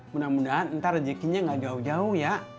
mudah mudahan ntar rezekinya gak jauh jauh ya